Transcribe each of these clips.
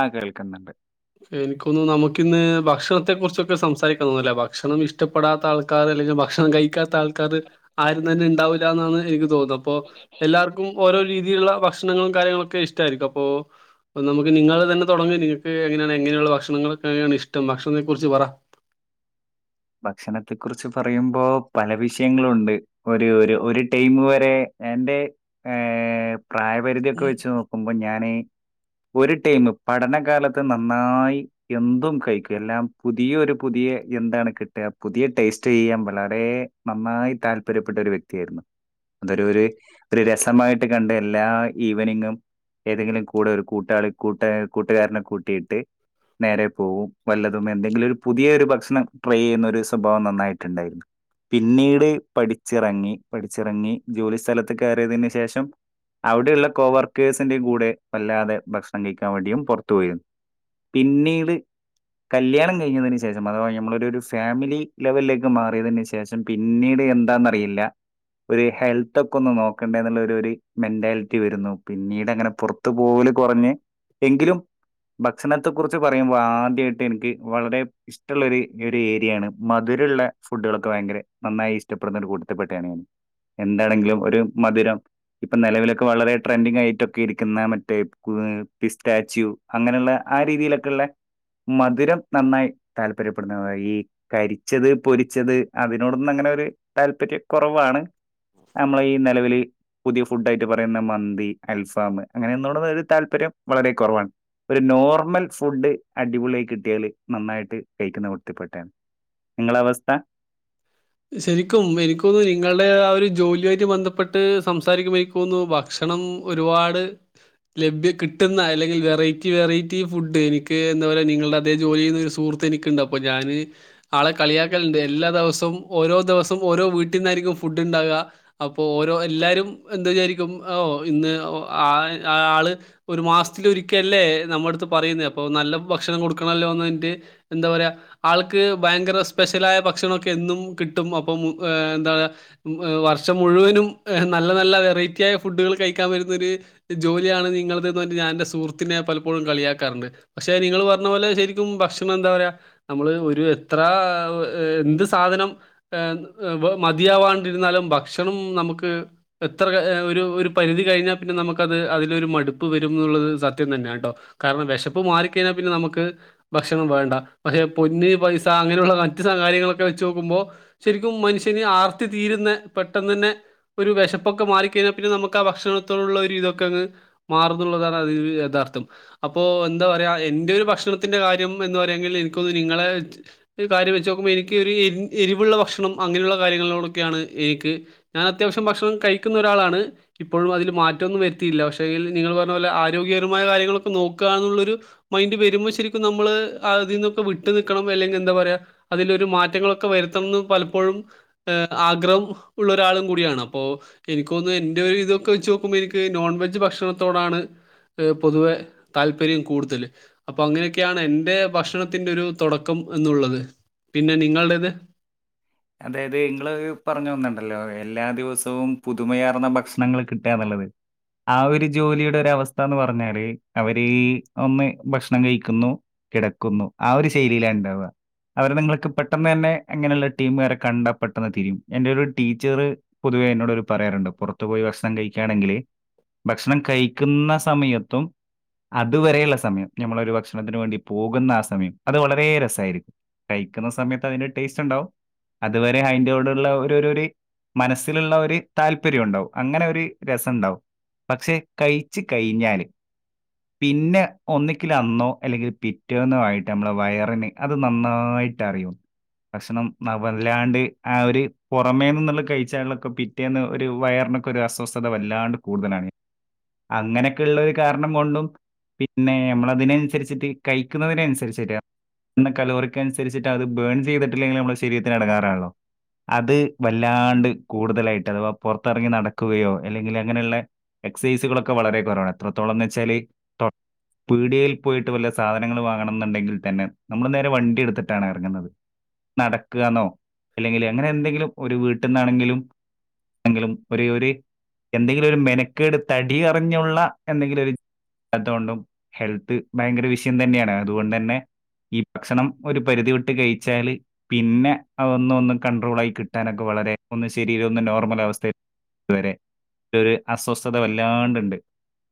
ആ കേൾക്ക്ന്ന്ണ്ട് എനിക്കോന്നുന്നു നമ്മക്കിന്ന് ഭക്ഷണത്തെ കുറിച്ചൊക്കെ സംസാരിക്കാ തൊന്നുന്നല്ലെ ഭക്ഷണം ഇഷ്ടപ്പെടാത്ത ആൾക്കാർ ഭക്ഷണം കഴിക്കാത്ത ആൾക്കാറ് ആരും തന്നെണ്ടാവുല്ല എന്നാണ് എനിക്ക് തോന്നുന്നത് അപ്പൊ എല്ലാർക്കും ഓരോ രീതിയിലുള്ള ഭക്ഷണങ്ങളും കാര്യങ്ങളൊക്കെ ഇഷ്ടായിരിക്കും അപ്പോ നമുക്ക് നിങ്ങള് തന്നെ തൊടങ്ങ എങ്ങനേണ് എങ്ങനെയുള്ള ഭക്ഷണങ്ങളൊക്കേണ് ഇഷ്ടം ഭക്ഷണത്തെ കുറ്ച്ച് പറ ഭക്ഷണത്തെ കുറിച്ച് പറയുമ്പൊ പല വിഷയങ്ങളുണ്ട് ഒര് ഒര് ടൈമ് വരെ എൻ്റെ പ്രായപരിധിയൊക്കെ വെച്ച് നോക്കുമ്പോൾ ഞാൻ..... ഒരു ടൈം പഠനകാലത്ത് നന്നായി എന്തും കഴിക്കും, എല്ലാം പുതിയൊരു പുതിയെ എന്താണ് കിട്ടുക പുതിയ ടേസ്റ്റ് ചെയ്യാൻ വളരെ നന്നായി താല്പര്യപ്പെട്ട ഒരു വ്യക്തിയാരുന്നു.... [unintelligible] അതൊരു ഒരു ഒരു രസമായിട്ട് കണ്ട് എല്ലാ ഈവനിങ്ങും...... ഏതെങ്കിലും കൂടെ ഒരു കൂട്ടാ കൂട്ട കൂട്ടുകാരനെ കൂട്ടിയിട്ട്..... നേരെ പോവും വല്ലതും എന്തെങ്കിലും ഒരു പുതിയ ഒരു ഭക്ഷണം ട്രൈ ചെയുന്ന....... ഒരു സ്വഭാവം നന്നായിട്ട്ണ്ടായിരുന്നു...... പിന്നീട് പഠിച്ചിറങ്ങി.. പഠിച്ചിറങ്ങി ജോലിസ്ഥലത്ത് കയറിയതിന് ശേഷം അവിടെയുള്ള കോവർക്കേഴ്സിന്റെ കൂടെ വല്ലാതെ ഭക്ഷണം കഴിക്കാൻ വേണ്ടിയും പുറത്തു പോയിരുന്നു.... പിന്നീട്.. കല്യാണം കഴിഞ്ഞതിന് ശേഷം, അഥവാ നമ്മുടെ ഒരു ഫാമിലി ലെവലിലേക്ക് മാറിയതിന് ശേഷം പിന്നീട് എന്താന്നറിയില്ല..... ഒരു ഹെൽത്തൊക്കെ ഒന്ന് നോക്കണ്ടെ എന്നുള്ള ഒരു മെൻ്റാലിറ്റി വരുന്നു... [unintelligible] കുറഞ്ഞ് എങ്കിലും....... ഭക്ഷണത്തെ കുറിച്ച് പറയുമ്പാദ്യായിട്ട് എനിക്ക് വളരെ ഇഷ്ടള്ളാരു ഏരിയാണ് മധുരള്ള ഫുഡ് കളൊക്കെ ഭയങ്കര നന്നായി ഇഷ്ടപ്പെട്ടുന്നൊരു കൂട്ടത്തിൽ പെട്ടയാണ് ഞാന് [unintelligible] എന്താണെങ്കിലും ഒര് മധുരം ഇപ്പൊ നിലവിലൊക്കെ വളരെ ട്രെൻഡിങ് ആയിട്ടൊക്കെഇരിക്കുന്ന മറ്റേ പിസ്റ്റാച്ചു അങ്ങനെ ള്ളെ ആ രീതിയിലൊക്കെള്ള മധുരം നന്നായി താല്പര്യ........ ഈ കരിച്ചത് പൊരിച്ചത് അതിനോടൊന്നും അങ്ങനെ ഒരു താൽപര്യക്കൊറവാണ് നമ്മള ഈ നിലവില്... പുതിയ ഫുഡ് ആയിട്ട് പറയുന്ന മന്തി, അൽഫാം, അങ്ങനെള്ളതിനോട് താൽപര്യം വളരെ കുറവാണ് ഒരു നോർമൽ ഫുഡ് അടിപൊളി ആയി കിട്ടിയാല് നന്നായിട്ട് കഴിക്കുന്ന കൂ...... ട്ടത്തിൽ പെട്ടതാണ്. നിങ്ങള അവസ്ഥ, ശരിക്കും എനിക്ക് തോന്നുന്നു, നിങ്ങള് ആ ഒരു ജോലിയുആയിട്ട് ബന്ധപ്പെട്ട് സംസാരിക്കുമ്പോ എനിക്ക് തോന്നുന്നു..... ഭക്ഷണം ഒരുപാട്....... ലഭ്യ കിട്ടുന്ന അല്ലെങ്കിൽ വെറൈറ്റി വെറൈറ്റി ഫുഡ്, എനിക്ക് എന്താ പറയാ നിങ്ങളുടെ അതേ ജോലി ചെയ്യുന്ന ഒരു സുഹൃത്ത് എനിക്കണ്ട് അപ്പൊ ഞാന് ആളെ കളിയാക്കലുണ്ട് എല്ലാ ദിവസവും...... ഓരോ ദിവസം ഓരോ വീട്ടിന്ന് ആയിരിക്കും ഫുഡ് ഉണ്ടാക. അപ്പൊ ഓരോ എല്ലാരും എന്ത് വിചാരിക്കും അ ഒ ഒ ഇന്ന് അ ആള് ഒരു മാസത്തിൽ ഒരിക്കലെ നമ്മുടെ അടുത്ത് പറയുന്നെ അപ്പൊ നല്ല ഭക്ഷണം കൊടുക്കണല്ലോന്ന്ൻ റ്റ് എന്ത പറയ ആൾക്ക് ഭയങ്കര സ്പെഷ്യൽ ആയ ഭക്ഷണമൊക്കെ എന്നും കിട്ടും, അപ്പൊ, എന്ത പറയ, വർഷം മുഴുവനും നല്ല നല്ല വെറൈറ്റി ആയ ഫുഡുകൾ കഴിക്കാൻ വരുന്ന ഒരു ജോലിയാണ് നിങ്ങളത്, എന്ന് പറഞ്ഞ് ഞാനെൻ്റെ സുഹൃത്തിനെ പലപ്പോഴും കളിയാക്കാറുണ്ട്. പക്ഷെ നിങ്ങൾ പറഞ്ഞ പോലെ ശരിക്കും, ഭക്ഷണം എന്താ പറയ നമ്മള് ഒരു എത്ര എന്ത് സാധനം മതിയാവാണ്ടിരുന്നാലും ഭക്ഷണം നമുക്ക് എത്ര ക ഒരു ഒരു പരിതി കഴിഞ്ഞാൽ പിന്നെ നമുക്കത് അതിൽ ഒരു മടുപ്പ് വരും എന്നുള്ളത് സത്യം തന്നാണ് ട്ടോ. കാരണം വിശപ്പു മാറിക്കഴിഞ്ഞാൽ പിന്നെ ന നമുക്ക് ഭക്ഷണം വേണ്ട, പക്ഷേ, പൊന്ന്, പൈസ അങ്ങനെയുള്ള മറ്റ് കാര്യങ്ങളൊക്കെ വച്ചുനോക്കുമ്പോ ശരിക്കും മനുഷ്യന് ആർത്തി തീരുന്ന പെട്ടെന്ന് തന്നെ ഒരു വിശപ്പൊക്കെ മാറിക്കഴിഞ്ഞാൽ പിന്നെ നമുക്ക് ആ ഭക്ഷണ ത്തോടുള്ള ഇതൊക്കെ അങ്ങ് മാറും ന്ന് ള്ളതാണ് യഥാർത്ഥം. അപ്പോ എന്താ പറയാ എന്റെ ഒരു ഭക്ഷ ണത്തിന്റെ കാര്യം എന്ന് പറയെങ്കിൽ എനിക്കൊത് നിങ്ങളെ കാര്യം വെച്ച് നോക്കുമ്പോൾ എനക്ക് ഒരു എരിവുള്ള ഭണം..... ഭക്ഷണം അങ്ങനെയുള്ള കാര്യങ്ങളോടൊക്കെയാണ് എനിക്ക്, ഞാൻ അത്യാവശ്യം ഭക്ഷണം കഴിക്കുന്നഒരാളാണ്. മാറ്റൊന്നും വരുത്തിയില്ല പക്ഷെങ്കിൽ നിങ്ങൾ പറഞ്ഞ പോലെ ആരോഗ്യപരമായ കാര്യങ്ങളൊക്കെ നോക്കുക എന്നുള്ള ഒരു മൈൻ്റ് വരു... ശരിക്കും നമ്മള് അതിൽന്നൊക്കെ വിട്ടു നിക്കണം അല്ലെങ്കിൽ, എന്താ പറയാ, അതിലൊരു മാറ്റങ്ങളൊക്കെ വരുത്തണംന്ന്..... പലപ്പോഴും ആഗ്രഹം ഉള്ള ഒരാളും കൂടിയാണ്. അപ്പൊ എനിക്ക് തോന്നുന്നു എൻ്റെ ഒരിതൊക്കെ വെച്ച് നോക്കുമ്പോ എനിക്ക് നോൺവെജ് ഭക്ഷണത്തോടാണ്........ പൊതുവെ താല്പര്യം കൂടുതൽ അപ്പൊ അങ്ങനെയൊക്കെയാണ് എൻന്റെ ഭക്ഷണത്തിന്റെ ഒരു തുടക്കം... എന്നുള്ളത് പിന്നെ നിങ്ങൾടേത്..... അതായത് നിങ്ങള് പറഞ്ഞ ഒന്ന്ണ്ടല്ലോ, എല്ലാ ദിവസവും പുതുമയാർന്ന ഭക്ഷണങ്ങൾ കിട്ടാന്ന്ള്ളത്..... ഉള്ളത്....... ആ ഒരു ജോലിയുടെ ഒരവസ്ഥ എന്ന് പറഞ്ഞാല് അവര് ഒന്ന് ഭക്ഷണം കഴിക്കുന്നു, കിടക്കുന്നു ആ ഒരു ശൈലിയിലാണ്ടാവാ അവരെ നിങ്ങൾക്ക് പെട്ടെന്ന് തന്നെ അങ്ങനെള്ള ടീം കാരെ കണ്ടാ പ്പെട്ടൊന്ന് തിരിയും. എന്റെ ഒരു ഒരു ടീച്ചറ് പൊതുവേ എന്നോട് പറയാറുണ്ട് പുറത്തു പോയി ഭക്ഷണം കഴിക് ക്കാണെങ്കില് ഭക്ഷണം കഴിക്കുന്ന സമയത്തും അതുവരെയുള്ള സമയം നഞമ്മളൊരു ഭക്ഷണത്തിന് വേണ്ടി പോകുന്ന ആസമയം. അത് വളരെ രസായിരിക്കും കഴിക്കുന്ന സമയത്ത് അതിന്റെ ടേസ്റ്റുണ്ടാവും അതുവരെ അതിന്റെ കൂടെള്ള ഒരൊരൊരി മനസ്സിലുള്ളൊരു താല്പര്യണ്ടാവും അങ്ങനൊരു രസണ്ടാവും പക്ഷെ കയിച്ച് കഴിഞ്ഞാല് പിന്നെ ഒന്നിക്കലന്നോ അല്ലെങ്കിൽ പിറ്റേന്നോ ആയിട്ട് നമ്മുടെ വയറിന് അത് നന്നായി ന്നായിട്ടറിയും ഭക്ഷണം വല്ലാണ്ട് ആ ഒര് പുറമേ നിന്നുള്ള കഴിച്ചാളൊക്കെ പിറ്റേന്ന് ഒരു വയറിനൊക്കെ ഒരസ്വസ് സ്ഥത വല്ലാണ്ട് കൂടുതലാണ്. അങ്ങനെക്ള്ളൊരു കാരണം കൊണ്ടും പിന്നെ നമ്മളതിനനുസരിച്ചിട്ട് കഴിക്കുന്നതിനനുസരിച്ചിട്ട് പിന്നെ കലോറിക്കനുസരിച്ചിട്ട് അത് ബേൺ ചെയ്തിട്ടില്ലെങ്കിൽ നമ്മള ശരീത്തിനെടങ്ങാറാണല്ലോ അത് വല്ലാണ്ട് കൂടുതലായിട്ട് അഥവാ പുറത്തിറങ്ങി നടക്കുകയോ അല്ലെങ്കിൽ അങ്ങനെള്ളെ എക്സൈസുകളൊക്കെ വളരെ കുറവാണ് എത്രത്തോളംന്ന് വെച്ചാല് പീടികയിൽ പോയിട്ട് വല്ല സാധനങ്ങൾ വാങ്ങണം എന്നുണ്ടെങ്കിൽ തന്നെ നമ്മൾ നേരെ വണ്ടിടുത്തിട്ടാണെറങ്ങുന്നത്. നടക്ക്യന്നോ അല്ലെങ്കിൽ അങ്ങനെ എന്തെങ്കിലും ഒരു വീട്ടിൽന്നാണെങ്കിലും എങ്കിലും ഒര് ഒര് എന്തെങ്കിലും ഒരു മെനക്കേട് തടി അറിഞ്ഞുള്ള എന്തെങ്കിലും ഒര് അല്ലത്തൊണ്ടും ഹെൽത്ത് ഭയങ്കര വിഷയം തന്നെയാണ് അതുകൊണ്ടന്നെ ഈ ഭക്ഷണം ഒരു പരിധി വിട്ട് കഴിച്ചാല് പിന്നെ അതൊന്നൊന്ന് കണ്ട്രോളായി കിട്ടാനൊക്കെ വളരെ ഒന്ന് ശരീരം ഒന്ന് നോർമൽ അവസ്ഥയിൽ ഇതുവരെ ഒരൊര് അസ്വസ്ഥത വല്ലാണ്ട്ണ്ട്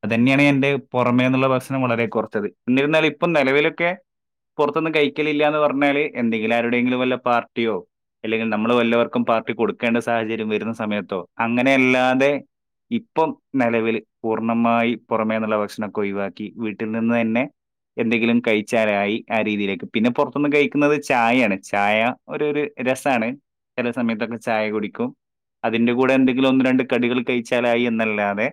അതെന്നെയാണ് എന്റെ പുറമേന്നുള്ള പ്രശ്നം വളരെ കുറച്ചത് എന്നിരുന്നാലും ഇപ്പം നിലവിലൊക്കെ പുറത്ത്ന്ന് കഴിക്കലില്ലാന്ന് പറഞ്ഞാല് എന്തെങ്കിലും ആരുടെയെങ്കിലും വല്ല പാർട്ടിയോ അല്ലെങ്കിൽ നമ്മൾ വല്ലോർക്കും പാർട്ടി കൊടുക്കേണ്ട സാഹചര്യം വരുന്ന സമയത്തോ അങ്ങനെയല്ലാതെ ഇപ്പം നിലവിൽ പൂർണമായി പുറമേന്നുള്ള ഭക്ഷണൊക്കെഒയിവാക്കി വീട്ടിൽ നിന്ന് തന്നെ എന്തെങ്കിലും കഴിച്ചാലായി ആ രീതിയിലേക്ക് പിന്നെ പുറത്തുനിന്ന് കഴിക്കുന്നത് ചായാണ് ചായ ഒരൊര് രസാണ് ചില സമയത്തൊക്കെ ചായ കുടിക്കും അതിന്റെ കൂടെ എന്തെങ്കിലും ഒന്ന് രണ്ട് കടികൾ കഴിച്ചാലായി എന്നല്ലാതെ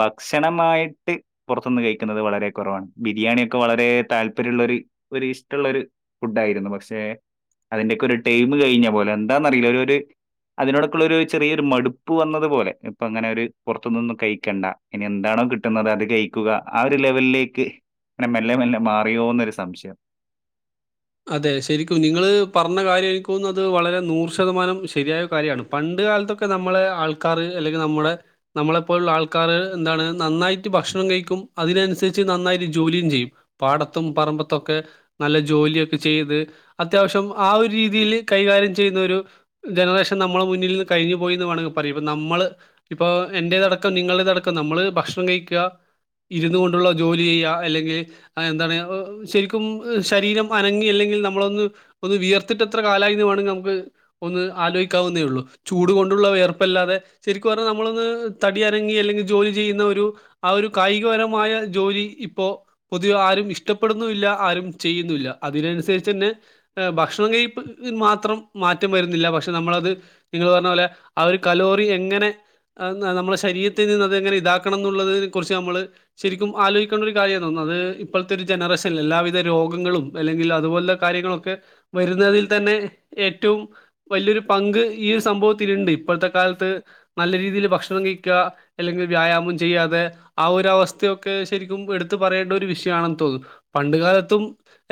ഭക്ഷണമായിട്ട് പുറത്തുന്ന് കഴിക്കുന്നത് വളരെ കുറവാണ് ബിരിയാണിയൊക്കെ വളരെ താല്പര്യള്ള ഒര് ഇഷ്ടള്ളൊരു ഫുഡായിരുന്നു. പക്ഷെ അതിന്റെയൊക്കെ ഒരു ടൈം കഴിഞ്ഞ പോലെ എന്താന്നറിയില്ല ഒരൊര് അതിനോടൊക്കൊള്ളൊരു ചെറിയൊരു മടുപ്പ് വന്നത് പോലെ ഇപ്പൊങ്ങനെ ഒരു പുറത്തുന്നൊന്നും കഴിക്കണ്ട ഇനി എന്താണ് കിട്ടുന്നതത് അത് കഴിക്കുക. ആ ഒരു ലെവലിലേക്ക് മെല്ലെ മെല്ലെ മാറിയോന്നൊരു സംശയം [unintelligible] അതെ! ശരിക്കും നിങ്ങള് പറഞ്ഞ കാര്യം എനിക്ക് തോന്നുന്നത് അത് വളരെ നൂറ് ശതമാനം ശരിയായ കാര്യാണ്. പണ് ണ്ട് കാലത്തൊക്കെ നമ്മളെ ആൾക്കാര് അല്ലെങ്കിൽ നമ്മളെ നമ്മെളെ പോലുള്ള ആൾക്കാര് എന്താണ് നന്നായിട്ട് ഭക്ഷ ണം കഴിക്കും അതിനനുസരിച്ച് നന്നായിട്ട് ജോലിം ചെയ്യും. പാടത്തും പറമ്പത്തൊക്കെ നല്ല ജോലി ചെയ്ത് അത്യാവശ്യം ആ ഒരു രീതിയിൽ കൈകാര്യം ചെയ്യുന്ന ഒരു ജനറേഷൻ നമ്മളെ മുന്നിൽ കഴിഞ്ഞു പോയി എന്ന് വേണെങ്കി പറയും. ഇപ്പം നമ്മള് ഇപ്പോ എൻന്റെേതടക്കം നിങ്ങളുടെതടക്കം നമ്മള് ഭക്ഷണം കഴിക്ക്യാ ഇരുന്നു കൊണ്ടുള്ള ജോലി ചെയ്യാ അല്ലെങ്കിൽ എന്താണ് ശരിക്കും ശരീരം മനങ്ങി എല്ലെങ്കിൽ നമ്മളൊന്ന് ഒന്ന് വിയർത്തിട്ട് എത്ര കാലായിന്ന് വേണങ്കിൽ നമുക്ക് ഒന്ന് ആലോയിക്കാവുന്നതേ ഉള്ളൂ. ചൂട് കൊണ്ടുള്ള വിയർപ്പല്ലാതെ ശരിക്കത് പറഞ്ഞാൽ നമ്മളൊന്ന് തടി അനങ്ങി അല്ലെങ്കിൽ ജോലി ചെയ്യുന്ന ഒരു ആ ഒരു കായികപരമായ ജോലി ഇപ്പോ പൊതുവെ ആരും ഇഷ്ടപ്പെടുന്നുല്ല ആരും ചെയ്യുന്നൂല്ല. അതിനനുസരിച്ചന്നെ ഭക്ഷണം കഴ്പ്പ് മാത്രം മാറ്റം വരുന്നില്ല പക്ഷെ നമ്മളത് ഇ ങ്ങള് പറഞ്ഞ പോലെ ആ ഒര് കലോറി എങ്ങനെ നമ്മുടെ ശരീരത്തിൽ നിന്ന് അതെങ്ങനെ ഇതാക്കണം എന്നുള്ളതാക്കുന്നതിനെ കുറിച്ച് നമ്മള് ശരിക്കും ആലോചിക്കേണ്ട ഒരു കാര്യ തോന്നുന്ന അത് ഇപ്പൾത്തെ ഒരു ജനറേഷൻ ല്ലേ എല്ലാവിധ രോഗങ്ങളും അതല്ലെങ്കിൽ അതുപോല കാര്യങ്ങളൊക്കെ വരുന്നതിൽ തന്നെ ഏറ്റവും വലിയൊരു പങ്ക് ഈ സംഭവത്തില്ണ്ട്. ഇപ്പോഴത്തെ കാലത്ത് നല്ല രീതിയിൽ ഭക്ഷണം കഴിക്ക അല്ലെങ്കിൽ വ്യായാമം ചെയ്യാതെ ആ ഒരു അവസ്ഥയൊക്കെ ശരിക്കും എടുത്ത് പറയേണ്ട ഒരു വിഷയം ആണെന്ന് തോന്നുന്ന് പണ്ട് കാലത്തും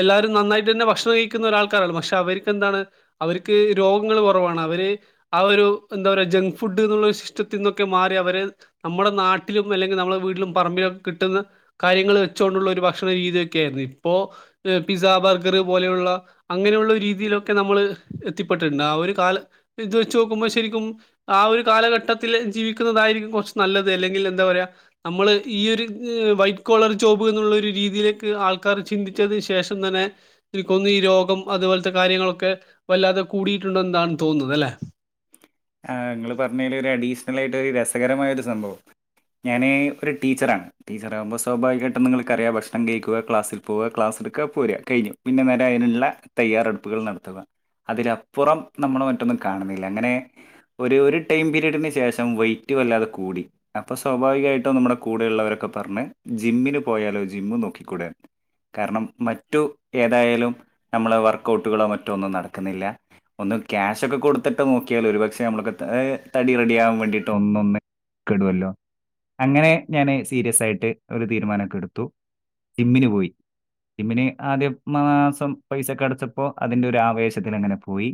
എല്ലാവാരും നന്നായിട്ട് തന്നെ ഭക്ഷണം കഴിക്കുന്ന ഒരാൾക്കാരാണ് പക്ഷെ അവര്ക്ക് എന്താണ് അവര്ക്ക് രോഗങ്ങൾ കുറവാണ് അവര് ആ ഒരു ന്താ പറയ ജങ്ക് ഫുഡ് ന്നുള്ള സിസ്റ്റത്തിന്നൊക്കെ മാറി അവര് നമ്മടെ നാട്ടിലും അല്ലെങ്കിൽ നമ്മുടെ വീട്ടിലും പറമ്പിലും കിട്ടുന്ന കാര്യങ്ങൾ വെച്ചോണ്ടുള്ള ഒരു ഭക്ഷണ രീതിയൊക്കെയായിരുന്നു ഇപ്പോ പിസ്സ ബർഗർ പോലെയുള്ള അങ്ങനെയുള്ള രീതിയിലൊക്കെ നമ്മൾ എത്തിപ്പെട്ടിട്ട് ണ്ട് ആ ഒരു കാല ഇത് വെച്ച് നോക്കുമ്പോ ശരിക്കും ആ ഒരു കാലഘട്ടത്തിൽ ജീവിക്കുന്നതായിരിക്കും കൊർച്ച് നല്ലത് അല്ലെങ്കിൽ എന്താ പറയാ മ്മള് ഈ ഒരു വൈറ്റ് കോളർ ജോബ് എന്നുള്ള ഒരു രീതിയിലേക്ക് ആൾക്കാർ ചിന്തിച്ചത് ശെ ശേഷം തന്നെ എനിക്കോന്നുന്നു ഈ രോഗം അതുപോലത്തെ കാര്യങ്ങളൊക്കെ വല്ലാതെ കൂടിയിട്ടുണ്ടെന്നാണ് തോന്നുന്നത് ത് ല്ലേ ആ ഇങ്ങള് പറഞ്ഞേല് ര് അഡീസ് ണലായിട്ട് ഒരു രസകരമായ ഒരു സംഭവം ഞാന് ഒരു ടീച്ചറാണ് ടീച്ചറാകുമ്പോ സ്വാഭാവികായിട്ടും നിങ്ങൾക്കറിയാം ഭക്ഷണം കഴിക്കുക ക്ലാസ്സിൽ പോവുക ക്ലാസ് ട്ക്ക പോര കഴിഞ്ഞു പിന്നെ വേറെ അയിനുള്ള തയ്യാറെടുപ്പുകൾ നടത്തുക അതിലപ്പുറം നമ്മൾ മറ്റൊന്നും കാണുന്നില്ല അങ്ങനെ ഒരു ഒരു ടൈം പിരീഡിന് ശേഷം വെയ്റ്റ് വല്ലാതെ കൂടി അപ്പൊ സ്വാഭാവികായിട്ടും നമ്മുടെ കൂടെയു ഉള്ളവരൊക്കെ പറഞ്ഞ് ജിമ്മിന് പോയാലോ ജിമ്മ് നോക്കിക്കൂടേന്ന് കാരണം മറ്റു ഏതായാലും നമ്മളെ വർക്കൗട്ടുകളോ മറ്റോ ഒന്നും നടക്കുന്നില്ല ഒന്ന് ക്യാഷൊക്കെ കൊടുത്തിട്ട് നോക്കിയാല് ഒരുപ ക്ഷെ നമ്മളക്കെ ത് ഏ തടി റെഡിയാവ ൻ വേണ്ടിയിട്ട് ഒന്നൊന്ന് കെടുവല്ലോ അങ്ങനെ ഞാന് സീരിയസായിട്ട് ഒരു തീരുമാനൊക്കെ എടുത്തു ജിമ്മിന് പോയി ജിമ്മിന് ആദ്യാ മാസം പൈസക്കടച്ചപ്പോ അതിന്റെ ഒരു ആവേശത്തിൽ അങ്ങനെ പോയി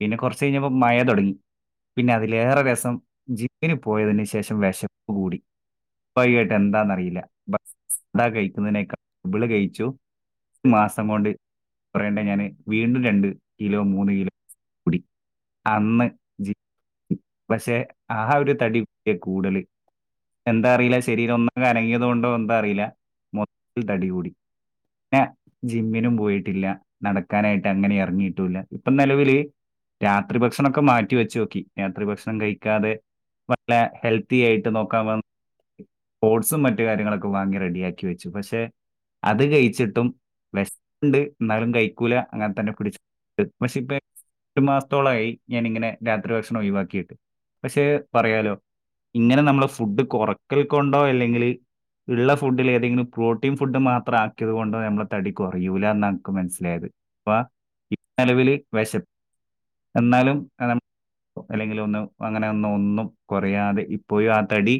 പിന്നെ കൊർച്ച് കഴിഞ്ഞപ്പം മയ തൊട്ങ്ങി പിന്നെ അതിലേറെ രസം ജീമ്മിന് പോയതിന് ശേഷം വെശപ്പ് കൂടി വൈകട്ട് എന്താന്നറിയില്ല ബസ് ധാ കഴിക്കുന്നതിനേക്കാൾ ഇ ബിള് കഴിച്ചു ര് മാസം കൊണ്ട് പറയണ്ട ഞാന് വീണ്ടും രണ്ട് കിലോ മൂന്ന് കിലോ കുടി അന്ന് ജിം പക്ഷെ ആ ഒരു തടി കൂടുല് എന്താറീല ശരീരം ഒന്നാകെ അനങ്ങിയതു കൊണ്ടോ എന്താറീല മൊത്ത്തി തടികൂടി ന്നെ ജിമ്മിനും പോയിട്ടില്ല നടക്കാനായിട്ട് അങ്ങനെ എറങ്ങിയിട്ടും ഇല്ല ഇപ്പൊ നെലവില് രാത്രി ഭക്ഷണൊക്കെ മാ റ്റി വെച്ചോക്കി രാത്രി ഭക്ഷണം കഴിക്കാതെ വല്ല ഹെൽത്തി ആയിട്ട് നോക്കാൻ വ് ഓഡ്സും മറ്റേ കാര്യങ്ങളൊക്കെ വാങ്ങി റെഡിയാക്കി വെച്ചു പക്ഷെ അത് കഴിച്ചിട്ടും വെശപ്പ്ണ്ട് ഇന്നാലും കഴിക്കൂല അങ്ങനെ തന്നെ പിടിച്ച് [unintelligible] ക്ഷെ പെ ട്ടു മാസത്തോളായി ഞാാനിങ്ങനെ രാത്രി ഭക്ഷണം ഒഴിവാക്കിയിട്ട് പക്ഷേ പറയാലോ ഇങ്ങനെ നമ്മള് ഫുഡ് കൊറക്കൽ കൊണ്ടോ അല്ലെങ്കില് ഇള്ള ഫുഡിൽ ഏതെങ്കിലും പ്രോട്ടീൻ ഫുഡ് മാത്രം ആക്കിയത് കൊണ്ടോ ഞമ്മളെ തടി കുറയൂല്ലാന്ന് ഇൻക് മൻസ്സിലായത് പാ ഇപ് നെലവില് വെശപ്പ് എന്നാലും അതാ അല്ലെങ്കില് ഒന്ന് അങ്ങനെ ഒന്നു ഒന്നും കുറയാതെ ഇപ്പോഴും ആ തടി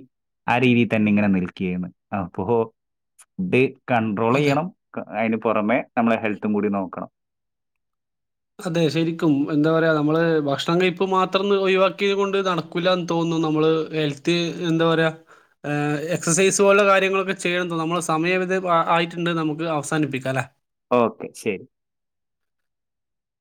ആ രീതിൽ തന്നെ ഇങ്ങനെ നിൽക്കുകേണ് അപ്പോ ഫുഡ് അതെ കൺണ്ട്രോളെയ്യണം അയിന് പുറമെ നമ്മളെ ഹെൽത്തും കൂടി നോക്കണം അതെ ശരിക്കും എന്താ പറയാ നമ്മള് ഭക്ഷണം കഴിപ്പ് മാത്രം ഒഴിവാക്കിയത് കൊണ്ട് നടക്കൂല്ലാന്ന് തോന്നു നമ്മള് ഹെൽത്ത് എന്താ പറയാ ഏ എക്സസൈസ് പോലുള്ള കാര്യങ്ങളൊക്കെ ചെയ്യണം തോന്നും നമ്മളെ സമയമിത് ആയിട്ടുണ്ട് നമുക്ക് അവസാനിപ്പിക്കാം അല്ലെ ഓക്കെ ശരി